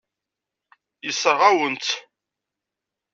Yessṛeɣ-awen-tt.